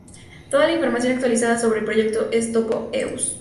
Toda la información actualizada sobre el proyecto en topo.eus.